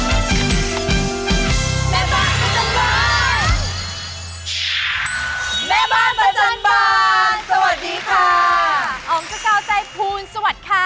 อ๋อมเจ้าเจ้าใจภูมิสวัสดีค่ะ